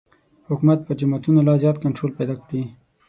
حکومت پر جوماتونو لا زیات کنټرول پیدا کړي.